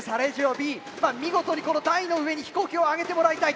Ｂ見事にこの台の上に飛行機を上げてもらいたい。